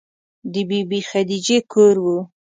د بې بي خدیجې کور و.